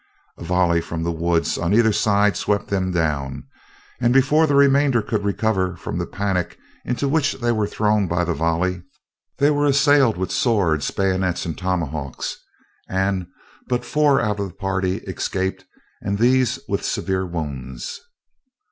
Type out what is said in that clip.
A volley from the woods on either side swept them down, and before the remainder could recover from the panic into which they were thrown by the volley, they were assailed with swords, bayonets and tomahawks, and but four out of the party escaped and these with severe wounds.